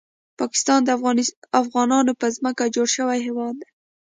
پاکستان د افغانانو په ځمکه جوړ شوی هیواد دی